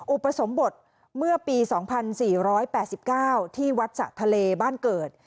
อุปสมบทเมื่อปี๒๔๘๙ที่วัดสะทะเลบ้านเกิด